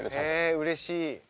えうれしい。